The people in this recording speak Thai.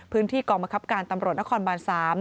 พื้นที่กรมกรับการตำรวจนครบาน๓